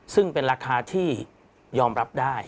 ซึ่งเป็นราคาที่ยอมรับได้